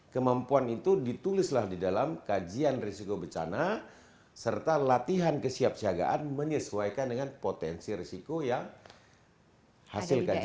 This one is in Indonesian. kemampuan itu ditulislah di dalam kajian risiko bencana serta latihan kesiapsiagaan menyesuaikan dengan potensi risiko yang hasil kajian